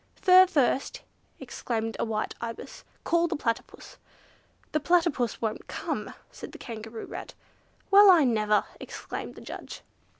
"Fur first!" exclaimed a white Ibis. "Call the Platypus!" "The Platypus won't come!" cried the Kangaroo Rat. "Well, I never!" exclaimed the judge.